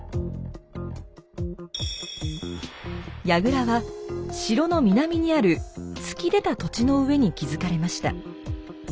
やぐらは城の南にある突き出た土地の上に築かれました。